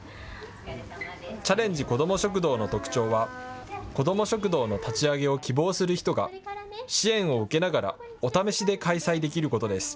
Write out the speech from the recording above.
チャレンジこども食堂の特徴はこども食堂の立ち上げを希望する人が支援を受けながらお試しで開催できることです。